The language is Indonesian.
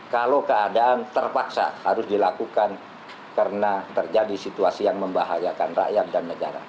kalau keadaan terpaksa harus dilakukan karena terjadi situasi yang membahayakan rakyat dan negara